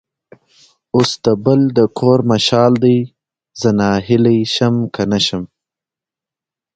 اوس د بل د کور مشال دی؛ زه ناهیلی شم که نه شم.